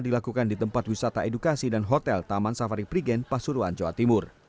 dilakukan di tempat wisata edukasi dan hotel taman safari prigen pasuruan jawa timur